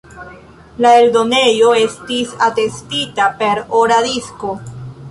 La eldonejo estis atestita per ora disko.